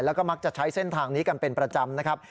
แล้วก็มักจะใช้เส้นทางนี้กันเป็นประจำนะครับ